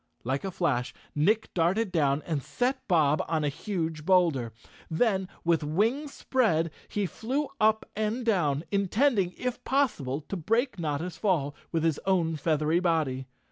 Like a flash Nick darted down and set Bob on a huge bowlder. Then, with wings spread, he flew up and down, intending, if possible, to break Notta's fall with 219 The Cowardly Lion of Oz his own feathery body.